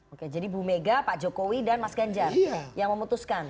oke jadi bu mega pak jokowi dan mas ganjar yang memutuskan